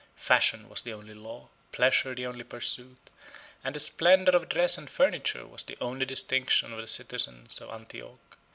Fashion was the only law, pleasure the only pursuit, and the splendor of dress and furniture was the only distinction of the citizens of Antioch.